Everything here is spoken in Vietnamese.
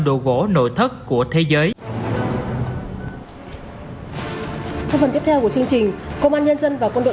đồ gỗ nội thất của thế giới trong phần tiếp theo của chương trình công an nhân dân và quân đội